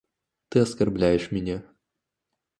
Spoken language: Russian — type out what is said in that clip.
Ты оскорбляешь меня.